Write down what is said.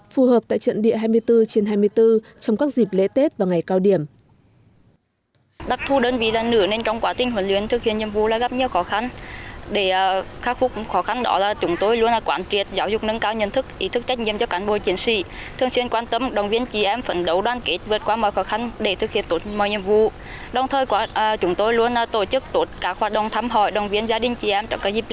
phù hợp tại trận địa hai mươi bốn trên hai mươi bốn trong các dịp lễ tết và ngày cao điểm